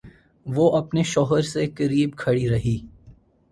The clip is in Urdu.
وہ اپنے شوہر سے قریب کھڑی رہی